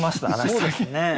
そうですね。